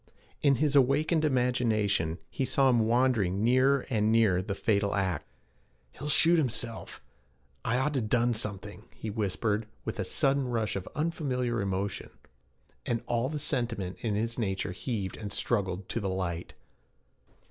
In his awakened imagination, he saw him wandering nearer and nearer the fatal act. 'He'll shoot himself. I ought to done something,' he whispered, with a sudden rush of unfamiliar emotion; and all the sentiment in his nature heaved and struggled to the light.